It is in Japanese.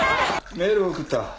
メールを送った。